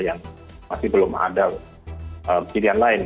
yang masih belum ada pilihan lain